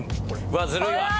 うわっずるいわ。